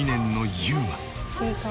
いい顔。